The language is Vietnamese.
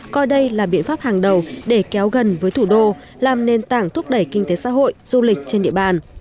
coi đây là biện pháp hàng đầu để kéo gần với thủ đô làm nền tảng thúc đẩy kinh tế xã hội du lịch trên địa bàn